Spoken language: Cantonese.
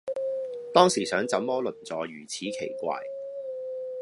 當時想怎麼鄰座如此奇怪